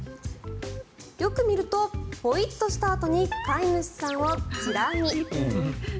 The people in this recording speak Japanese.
よく見るとポイッとしたあとに飼い主さんをチラ見。